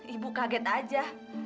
ibu kaget aja